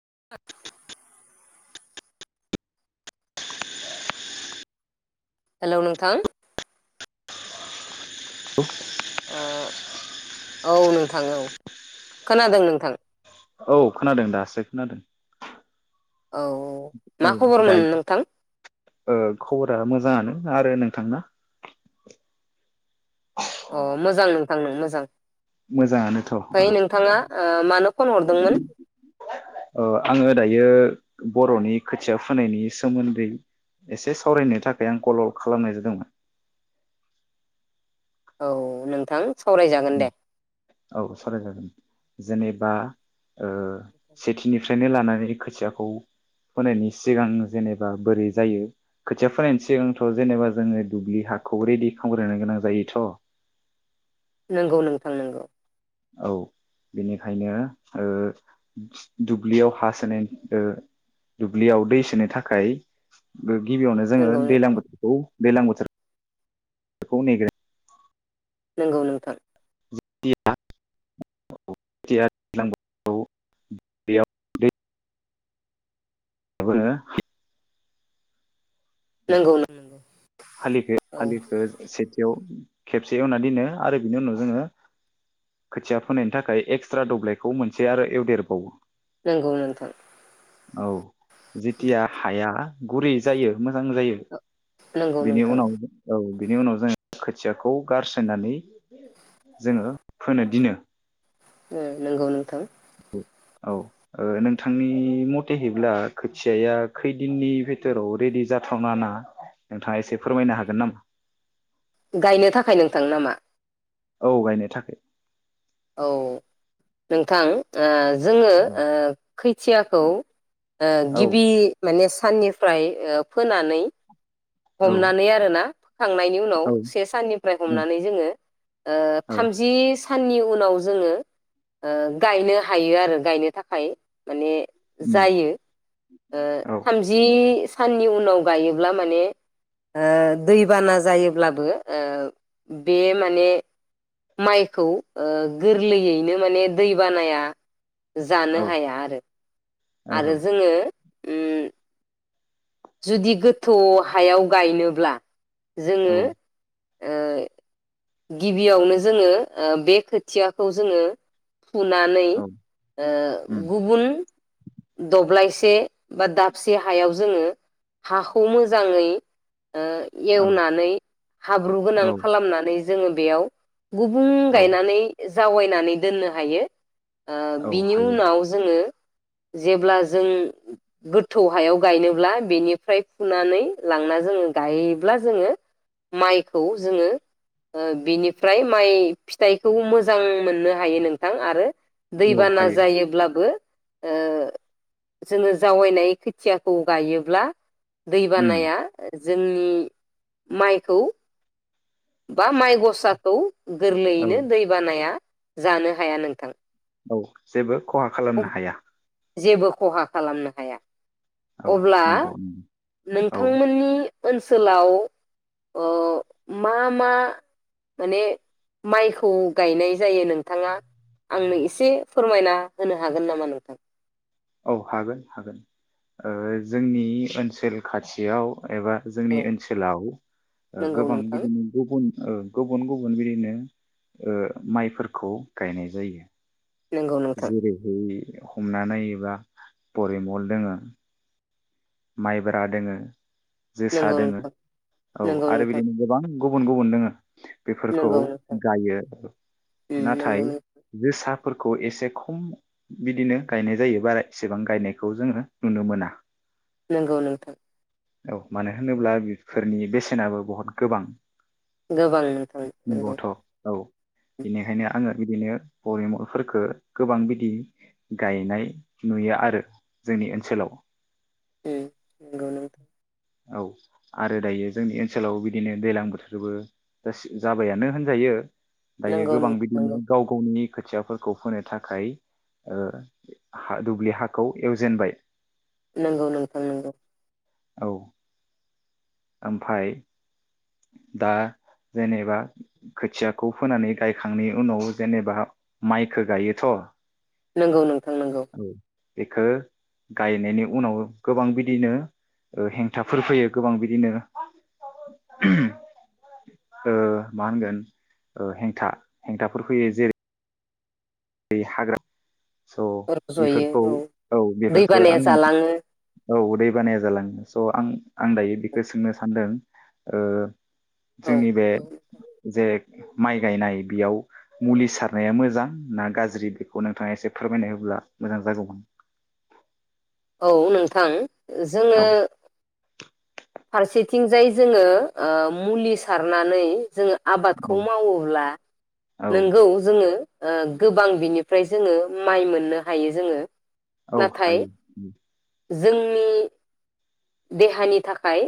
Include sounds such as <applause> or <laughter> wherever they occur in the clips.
<unintelligible> Hello नोंथां। <unintelligible> ओ औ नोंथां औ खोनादों नोंथां। औ खोनादों दासो खोनादों। औ औ ओ मा खबरमोन नोंथां दायो खबरा मोजाङानो। आरो नोंथांना। अ मोजां नों थां मोजां। मोजाङानोथ ओ ओमफ्राय नोंथाङा ओ मानो फन हरदोंमोन आङो दायो बर'नि खोथिया फोनायनि सोमोन्दै एसे सावरायनो थाखाय आं कल खालामनाय जादोंमोन। औ नोंथां। सावरायजागोन उम दे औ सरायजागोन। जेनेबा ओ सेथिनिफ्रायनो लानानै खोथियाखौ फोनायनि सिगां जेनेबा बोरै जायो खोथिया फोनायनि सिगांथ जेनेबा जोङो दुब्लि हाखौ रेडि खालामग्रोनो गोनां जायोथ। नोंगौ नोंथां नोंंगौ। औ बेनिखायनो ओ दुब्लियाव हा सोनाय ओ दुब्लियाव दै सोनो थाखाय गिबियावनो जोङो नंगौ दैलां बोथोरखौ दैलां बोथोरखौ नेग्रो नोंगौ नोंथां। <unintelligible> <unintelligible> नोंगौ नोंगौ। हालिखो हालिखो सेथियाव खेबसे एवना दोनो आरो बिनि उनाव जोङो खोथिया फोनायनि थाखाय एक्सट्रा दब्लायखौ मोनसे आरो एवदेरबावो। नोंगौ नोंथां। औ जेतिया हाया गुरै जायो मोजां जायो नंगौ बिनि नोंथां उनाव औ। बिनि उनाव जोङो खोथियाखौ गारसोनानै जोङो फोनो दिनो। उम नोंगौ नोंथां। औ ओ नोंथांनि मथेहैब्ला खोथियाया खैदिननि भिथोराव रेडि जाथावना ना नोंथाङा एसे फोरमायनो हागोन नामा? गायनो थाखाय नोंथां नामा? औ गायनो थाखाय औ नोंथां ओ जोङो ओ खैथियाखौ ओ औ गिबि माने साननिफ्राय ओ फोनानै हमनानै आरोना फोखांनायनि उनाव औ से साननिफ्राय हमनानै जोङो ओ औ थामजि साननि उनाव जोङो ओ गायनो हायो आरो गायनो थाखाय माने उम जायो ओ औ थामजि साननि उनाव गायोब्ला माने ओ दैबाना जायोब्लाबो ओ बे माने माइखौ ओ गोरलैयैनो माने दैबानाया औ जानो हाया आरो ओहो आरो जोङो उम जुदि गोथौ हायाव गायनोब्ला औ जोङो ओ गिबियावनो जोङो ओ बे खोथियाखौ जोङो फुनानै औ ओ उम गुबुन दब्लायसे बा दाबसे हायाव जोङो हाखौ मोजाङै ओ औ एवनानै हाब्रु गोनां औ खालामनानै जोङो बेयाव गुबुं औ गायनानै जावायनानै दोन्नो हायो ओ औ बिनि हायो उनाव जोङो जेब्ला जों गोथौ हायाव गायनोब्ला बेनिफ्राय फुनानै लांना जोङो गायोब्ला जोङो माइखौ जोङो ओ बिनिफ्राय माइ फिथाइखौ मोजां मोन्नो हायो नोंथां आरो औ दैबाना हायो जायोब्लाबो ओ जोङो जावैनाय खोथियाखौ गायोब्ला उम दैबानाया जोंनि माइखौ बा माइ गसाखौ औ गोरलैयैनो दैबानाया जानो हाया नोंथां। औ जेबो खहा खालामनो हाया। जेबो खहा खालामनो हाया। औ अब्ला नंगौ औ नोंथांमोननि ओन्सोलाव मा मा माने माइखौ गायनाय जायो नोंथाङा आंनो एसे फोरमायना होनो हागोन नामा नोंथां? औ हागोन हागोन। जोंनि ओन्सोल खाथियाव एबा जोंनि औ ओन्सोलाव ओ नंगौ गोबां नोंथां बिदिनो गुबुन ओ गुबुन गुबुन बिदिनो ओ माइफोरखौ गायनाय जायो। नंगौ नोंथां जेरैहाय हमना नायोब्ला परिमल दोङो। माइब्रा दोङो। जोसा नंगौ दोङो नोंथां औ नंगौ आरो नोंथां बिदिनो गोबां। गुबुन गुबुन दोङो। बेफोरखौ नंगौ नोंथां गायो उम नंगौ नाथाय जोसा। फोरखौ एसे खम बिदिनो गायनाय जायो बारा एसेबां गायनायखौ जोङो नुनो मोना। नंगौ नोंथां। औ मानो होनोब्ला बेफोरनि बेसेनाबो बहुद गोबां। गोबां नोंथां नंगौ। नंगौथ' औ बेनिखायनो आङो बिदिनो परिमलफोरखो गोबां बिदि गायनाय नुयो आरो जोंनि ओनसोलाव। ओं नंगौ नोंथां। औ आरो दायो जोंनि ओनसोलाव बिदिनो दैलां बोथोरबो जासि जाबायानो होनजायो। दायो नंगौ गोबां नंगौ बिदिनो गाव गावनि। खोथियाफोरखौ फोनो थाखाय ओ हा दुब्लि हाखौ एवजेनबाय। नोंगौ नोंथां नोंगौ। औ। ओमफाय दा जेनेबा खोथियाखौ फोनानै गायखांनायनि उनाव जेनेबा माइखो गायोथ। नंगौ नं थां नंगौ। बेखो गायनायनि उनाव गोबां बिदिनो ओ हेंथाफोर फैयो गोबां बिदिनो उम ओ मा होनगोन हेंथा हेंथाफोर फैयो जेरै बै हाग्रा रजयो औ बेफोरखो आं दैबानाया जालाङो। औ दैै बानाया जालाङो स आं आं दायो बेखो सोंनो सानदों ओ औ जोंनि बे जे माइ गायनाय बियाव मुलि सारनाया मोजां? ना गाज्रि बेखौ नोंथाङा एसे फोरमायनायब्ला मोजां जागौमोन। औ नोंथां। ओ जोङो औ फारसेथिंजाय जोङो ओ मुलि सारनानै जोङो आबादखौ औ मावोब्ला औ नोंगौ जोङो ओ गोबां बिनिफ्राय जोङो माइ मोननो हायो जोङो। औ नाथाय हायो। जोंनि देहानि थाखाय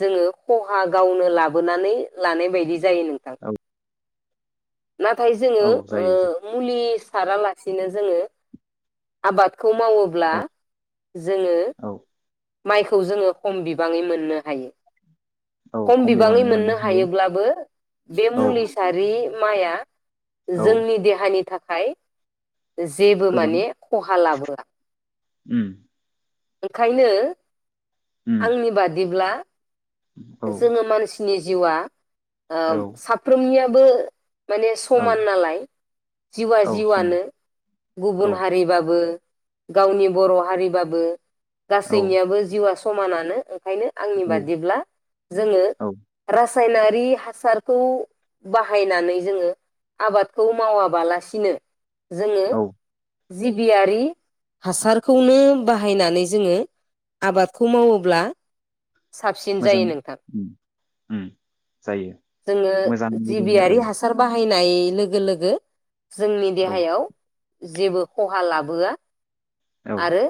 जोङो खहा गावनो लाबोनानै लानाय बायदि जायो नोंथां। औ नाथाय जोङो औ ओ जायो जायो मुलिस सारालासिनो जोङो आबाद खौ मावोब्ला औ जोङो औ माइखौ जोङो खम बिबाङै मोननो हायो। खम बिबाङै मोननो हायोब्लाबो बे हायो मुलि सारि माइआ औ जोंनि देहानि थाख खाय जेबो गोबां माने खहा लाबो <unintelligible> उम ओंखायनो उम आंनि बादिब्ला औ जोङो मानसि नि जिउआ औ ओम साफ्रोमनियाब बो माने औ समान नालाय जिउआ औ समान जिउआनो औ गुबुन हारिबाबो गावनि बर हारिबाबो औ गासैनियाबो जिउआ समानान नो ओ ओंखायनो आंनि औ बादिब्ला जोङो औ रास सायनारि हासारखौ बाहायनानै जोङो आबादखौ मावाबालासिनो जोङो औ जिबियारि हासारखौनो बाहायनानै जोङो आबादखौ मावोब्ला साबसिन मोजां जायो नोंथां उम उम जायो जोङो मोजां बिदिनो जिबियारि ओ हासार बा हायनाय लोगो लोगो जोंनि औ देहायाव जेबो खहा लाबोआ औ आरो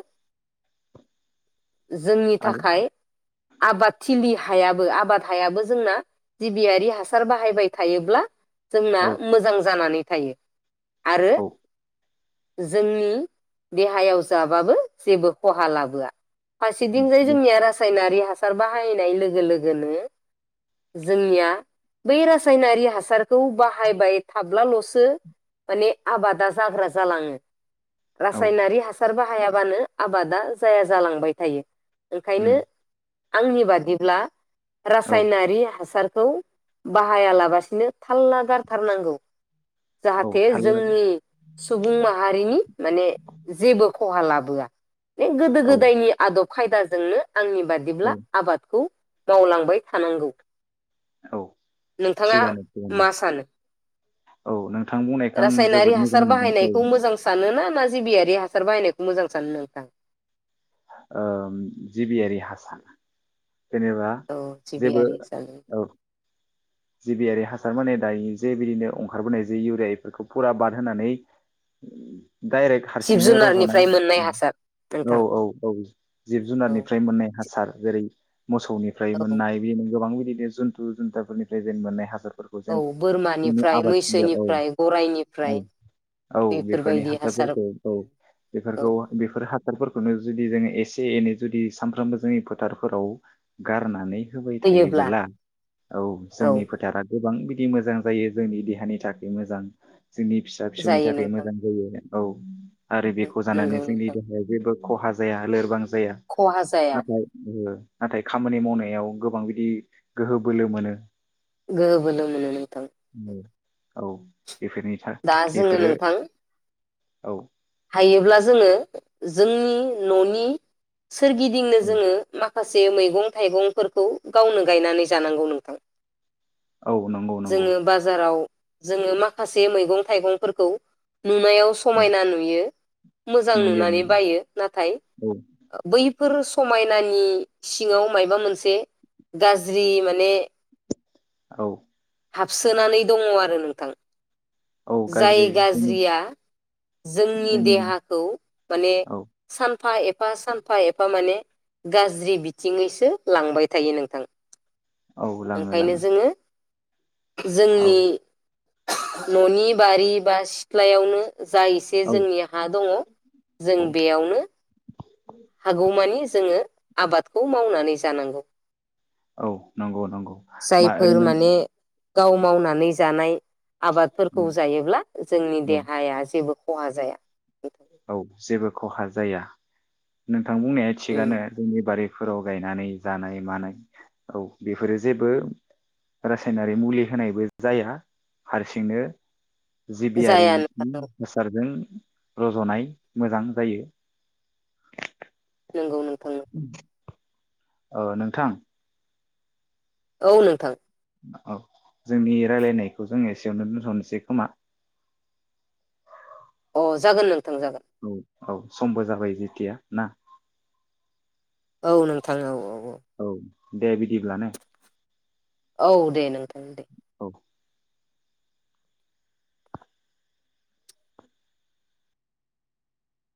जोंनि आरो थाखाय आबादथिलि हायाबो आबाद हायाबो जोंना जिबियारि हासार बाहायबाय थायोब्ला जोंना औ मोजां जानानै थायो आरो औ जोंनि देहायाव जाबाबो जेबो खहा लाबोआ। उम फारसेथिं जाय दे जोंनिया रासायनारियाव हासार बाहायनाय लोगो लोगोनो जोंनिया बै रासायनारि हासारखौ बाहायबाय थाब्लालसो माने आबादा जाग्रा जालाङो। औ रासायनारि हासार बा हायाबानो आबादा जाया जालांबाय थायो। ओंखायनो उम आंनि बादिब्ला औ रासायनारि हासार खौ बाहायालाबासिनो थारला गारथारनांगौ औ जाहाथे थाल लागोन जोंनि सुबुं माहारिनि माने जेबो खहा लाबोआ बे गोदो औ गोदायनि आदब खायदाजोंनो आंनि बा दिब्ला औ आबादखौ मावलांबाय थानांगौ औ नोंथाङा थिगानो थिगानो मा सानो? औ नों रासायनारि हासार बाहायनायखौ मोजां सानोना ना जिबियारि हासार बायनायखौ मोजां सानो नोंथां ओ जिबियारि हासा जेनेबा औ जेबो जिबियारि हासार औ जिबियारि हासार माने दायो जे बिदिनो अंखारबोनाय जे इउरिया बेफोरखौ फुरा बादहोनानै डायरेक्ट जिब हारसिंनो रजनाय जुनारनिफ्राय मोननाय हासार औ नोंथां औ औ जिब औ जुनारनिफ्राय मोननाय हासार जेरै- मोसौनिफ्राय औ मोननाय बिदिनो गोबां बिदिनो जुन्थु जुन्थाफोरनि प्रेजेन्ट मोननाय हादोर औ फोरखौजेन जोंनि बोरमानिफ्राय आबाद थिलियाव औ मैसोनिफ्राय गराइनिफ्राय औ औ बेफोरनि बेफोरबायदि हासार हासारफोरखौ औ बेफोरखौ बेफोर हासारफोरखौनो जुदि जोङो एस एसे एनै जुदि सानफ्रामबो जोंनि फोथारफोराव गारनानै होबाय होयोब्ला थायोबोला औ जोंनि फोथारा गोबां बिदि मोजां जायो जोंनि देहानि थाखाय मोजां जोंनि फिसा फिसौनि जायो थाखाय नोंथां मोजां जायो <unintelligible> औ आरो बेखौ जानानै नंगौ जोंनि नोंथां देहाया जेबो खहा जाया लोरबां जाया खहा जाया नाथाय ओ नाथाय खामानि मावनायाव गोबां बिदि गोहो बोलो मोनो गोहो बोलो मोनो नोंथां औ बेफोरनि दा थाखाय जोङो बेफोरो नोंथां औ हायोब्ला जोङो जोंनि न'नि सोरगिदिंनो औ जोङो माखा माखासे मैगं थाइगंफोरखौ गावनो गायनानै जानांगौ नोंथां। औ नंगौ नंगौ जोङो बाजाराव जोङो माखासे मैगं थाइगंफोरखौ नुनायाव औ समायना नु मोजां नुयो नुनानै नुयो बायो नाथाय औ बै बफोर समायनानि सिङाव मायाबा मोनसे गाज्रि माने औ हाबसोनानै दङ आरो नोंथां। औ जाय गाज्रि जोंनि गाज्रिया जोंनि देहाखौ माने औ सानफा एफा सानफा एफा माने गाज्रि बिथिङैसो लांबाय थायो नोंथां। औ लाङो ओंखायनो लाङो जोङो औ जोंनि न'नि बारि बास सिथ्लायावनो जायोस औ जोंनि हा दङ जों औ बेयावनो <inaudible> हागौमानि जोङो आबादखौ मावनानै जानांगौ। औ नंगौ नंगौ मा जायफोर माने <unintelligible> गाव मावनानै जानाय आबादफोरखौ जायोब्ला जोंनि औ देहाया जेबो खहा जाया। औ जेबो खहा जाया नों थां बुंनाया थिगआनो जोंनि बारि फोराव गायनानै जानाय मानाय औ बेफोरो जेबो रासायनारि मुलि होनायबो जाया हारसिंनो जिबियारि जाया उम नोंथां हासारजों रज'नाय मोजां जायो नोंगौ नोथां नोंगौ ओ नोंथां औ नोंथां औ जोंनि रायलायनायखौ जों एसेयावनो दोनथनोसै खोमा अ जागोन नों थां जागोन औ औ समबो जाबाय जेतिया ना औ नोंथां औ औ औ दे बिदिब्ला ने औ दे नोंथां दे <inaudible>